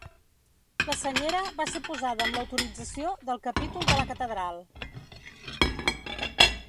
La senyera va ser posada amb l’autorització del capítol de la catedral.